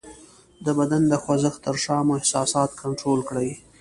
د بدن د خوځښت تر شا مو احساسات کنټرول کړئ :